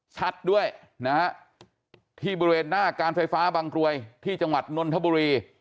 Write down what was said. ชัดด้วยนะฮะที่บริเวณหน้าการไฟฟ้าบางกรวยที่จังหวัดนนทบุรี